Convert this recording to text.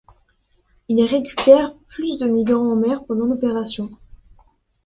Il récupère plus de migrants en mer pendant l'opération.